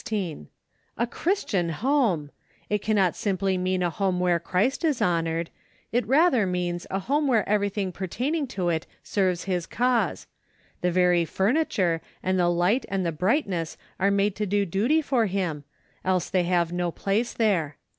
A Christian home ! It cannot simply mean a home where Christ is honored. It rather means a home where everything per¬ taining to it serves His cause. The very furniture, and the light and the brightness are made to do duty for Him, else they have no place there.